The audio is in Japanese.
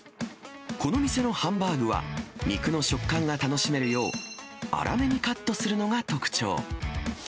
この店のハンバーグは、肉の食感が楽しめるよう、粗めにカットするのが特徴。